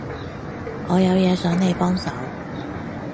我有嘢想你幫手